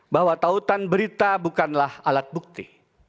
bahwa tautan berita bukanlah alat bukti